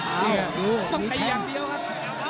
อ้าวดูต้องขยันเดียวครับ